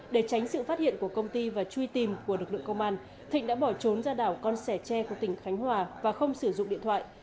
để tránh sự phát hiện của công ty và truy tìm của lực lượng công an thịnh đã bỏ trốn ra đảo con sẻ tre của tỉnh khánh hòa và không sử dụng điện thoại